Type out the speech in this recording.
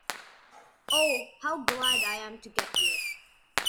Oh, how glad I am to get here!